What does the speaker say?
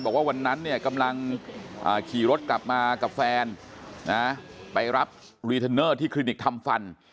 บอกว่าวันนั้นเนี่ยกำลังขี่รถกลับมากับแฟนนะไปรับรีเทนเนอร์ที่คลินิกทำฟัน